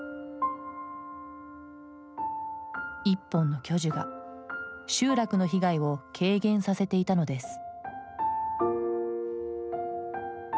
１本の巨樹が、集落の被害を軽減させていたのです。